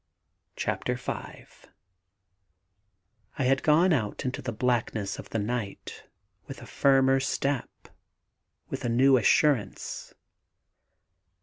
CHAPTER FIVE I had gone out into the blackness of the night with a firmer step, with a new assurance.